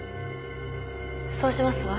そうしますわ。